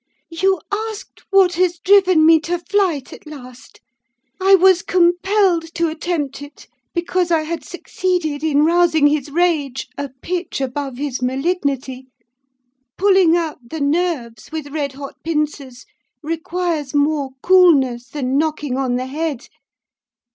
"You asked, what has driven me to flight at last? I was compelled to attempt it, because I had succeeded in rousing his rage a pitch above his malignity. Pulling out the nerves with red hot pincers requires more coolness than knocking on the head.